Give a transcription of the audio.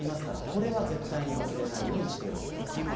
これは、絶対に忘れないようにしてください。